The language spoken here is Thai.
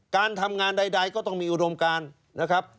การทำงานใดก็ต้องมีอุดมการนะครับ